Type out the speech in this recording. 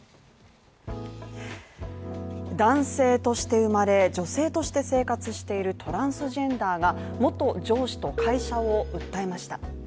男性として生まれ、女性として生活しているトランスジェンダーが元上司と会社を訴えました。